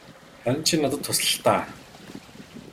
Харин чи надад тусал л даа.